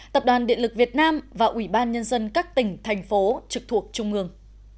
tập đoàn điện lực việt nam và ủy ban nhân dân các tỉnh thành phố trực thuộc trung ương